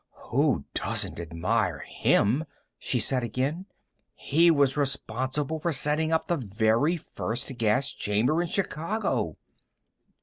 "Who doesn't admire him?" she said again. "He was responsible for setting up the very first gas chamber in Chicago."